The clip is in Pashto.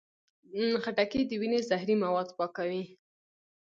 خټکی د وینې زهري مواد پاکوي.